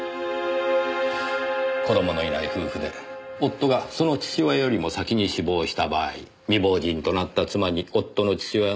子供のいない夫婦で夫がその父親よりも先に死亡した場合未亡人となった妻に夫の父親の遺産は入りません。